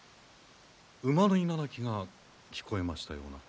馬のいななきが聞こえましたような。